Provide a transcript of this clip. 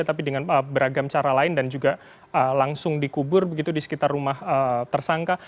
tapi dengan beragam cara lain dan juga langsung dikubur begitu di sekitar rumah tersangka